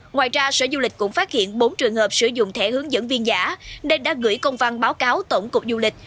ngoài ra sở du lịch cũng phát hiện bốn trường hợp sử dụng thẻ hướng dẫn viên giả nên đã gửi công văn báo cáo tổng cục du lịch